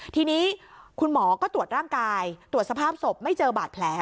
ทีนี้คุณหมอก็ตรวจร่างกายตรวจสภาพศพไม่เจอบาดแผล